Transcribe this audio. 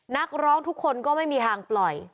นักร้องทุกคนก็ไม่มีทางปล่อย